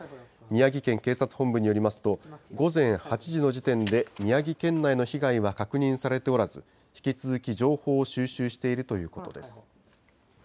宮城県警察本部によりますと、午前８時の時点で宮城県内の被害は確認されておらず、引き続き情報を収集しているということです。